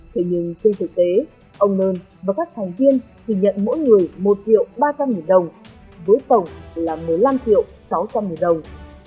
thế nhưng trên thực tế ông nơn và các thành viên chỉ nhận mỗi người một triệu ba trăm linh nghìn đồng với tổng là một mươi năm triệu sáu trăm linh nghìn đồng